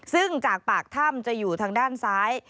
ซึ่งจากปากถ้ำจะอยู่ทางด้านซ้าย